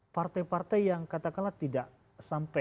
partai partai yang katakanlah tidak sampai